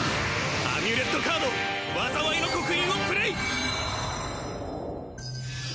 アミュレットカード災いの刻印をプレイ！